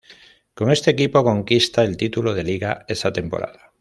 Con este equipo conquista el título de Liga esa temporada.